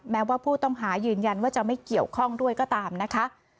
แม้ว่าผู้ต้องหายืนยันว่าจะไม่เกี่ยวข้องด้วยก็ตามนะคะ